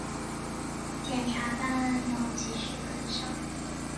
检察办案要及时跟上